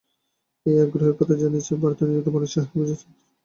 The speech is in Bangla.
এই আগ্রহের কথা জানিয়েছেন ভারতে নিযুক্ত বাংলাদেশের হাইকমিশনার সৈয়দ মোয়াজ্জেম আলী।